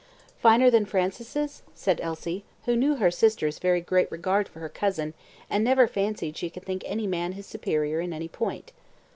"Finer than Francis'?" said Elsie, who knew her sister's very great regard for her cousin, and never fancied she could think any man his superior in any point.